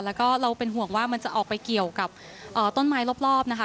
แล้วก็เราเป็นห่วงว่ามันจะออกไปเกี่ยวกับต้นไม้รอบนะคะ